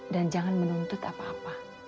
dan jangan menuntut apa apa